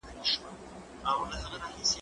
زه پرون ليک ولوست!؟